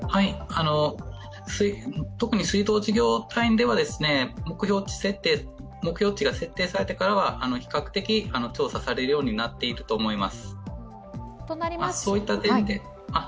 特に水道事業単位では、目標値が設定されてからは比較的、調査されるようになっていると思います。